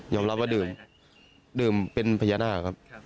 ยอมรับว่าดื่มดื่มเป็นพญานาคครับ